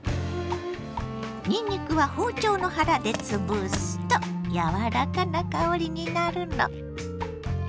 にんにくは包丁の腹でつぶすとやわらかな香りになるの。